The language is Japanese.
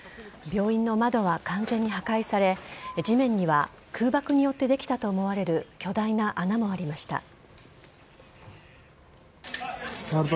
病院の窓は完全に破壊され地面には空爆によってできたと思われる巨大な穴もありました。